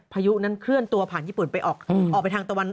พายุนั้นเคลื่อนตัวผ่านญี่ปุ่นไปออกไปทางตะวัน